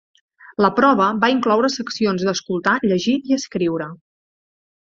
La prova va incloure seccions d'escoltar, llegir i escriure.